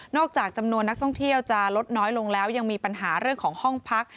จากจำนวนนักท่องเที่ยวจะลดน้อยลงแล้วยังมีปัญหาเรื่องของห้องพัก